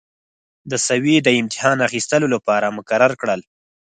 د سویې د امتحان اخیستلو لپاره مقرر کړل.